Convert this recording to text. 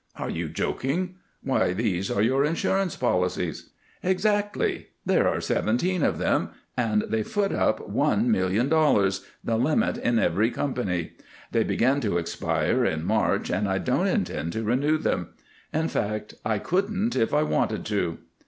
"Are you joking? Why, these are your insurance policies!" "Exactly! There are seventeen of them, and they foot up one million dollars the limit in every company. They begin to expire in March, and I don't intend to renew them. In fact, I couldn't if I wanted to."